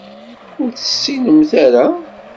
Ur tt-ssinent ara.